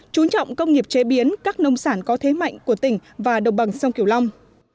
chú trọng công nghiệp chế biến các nông sản có thế mạnh của tỉnh và đồng bằng sông kiều long